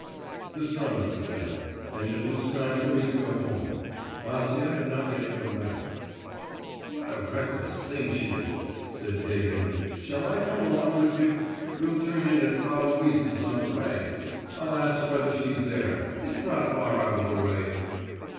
The sun was setting, and it was time for me to go home. Acia had not yet come back. 'What a reckless thing she is,' said Gagin. 'Shall I come along with you? We'll turn in at Frau Luise's on the way. I'll ask whether she's there. It's not far out of the way.